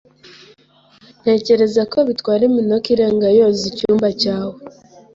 Ntekereza ko bitwara iminota irenga yoza icyumba cyawe.